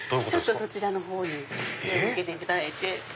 そちらに目を向けていただいて。